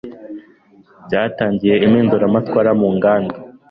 Byatangije impinduramatwara mu nganda,